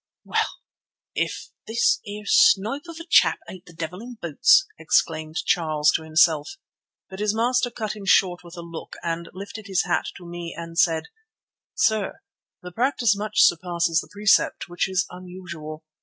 "Well, if this here snipe of a chap ain't the devil in boots!" exclaimed Charles to himself. But his master cut him short with a look, then lifted his hat to me and said: "Sir, the practice much surpasses the precept, which is unusual.